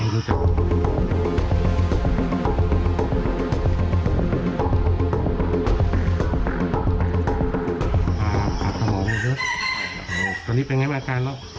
ตอนนี้เป็นไงแม่การ